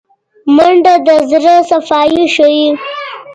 منډه د زړه صفايي ښيي